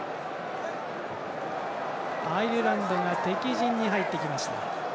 アイルランドが敵陣に入ってきました。